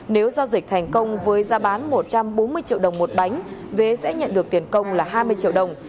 nếu giao dịch thành công với giá bán một trăm bốn mươi triệu đồng một bánh vé sẽ nhận được tiền công là hai mươi triệu đồng